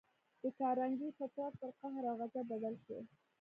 د کارنګي فطرت پر قهر او غضب بدل شو